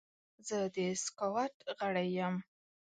زه د سکاوټ غړی یم.